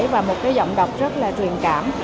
và một cái giọng đọc rất là truyền cảm